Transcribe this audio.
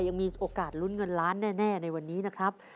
ยังมีโอกาสลุ้นเงินล้านแน่ในวันนี้นะครับ